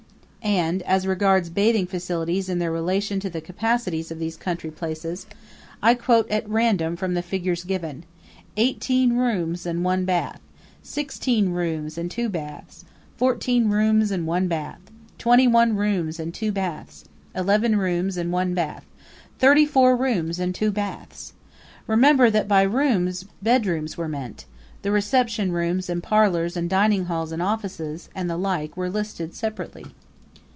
And, as regards bathing facilities in their relation to the capacities of these country places, I quote at random from the figures given: Eighteen rooms and one bath; sixteen rooms and two baths; fourteen rooms and one bath; twenty one rooms and two baths; eleven rooms and one bath; thirty four rooms and two baths. Remember that by rooms bedrooms were meant; the reception rooms and parlors and dining halls and offices, and the like, were listed separately.